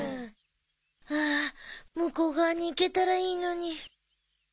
向こう側に行けたらいいのに。